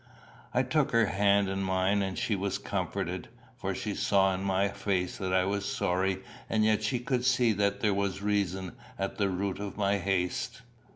I took her hand in mine, and she was comforted, for she saw in my face that I was sorry, and yet she could see that there was reason at the root of my haste.